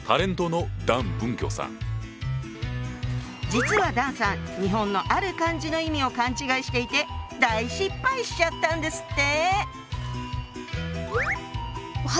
実は段さん日本のある漢字の意味を勘違いしていて大失敗しちゃったんですって。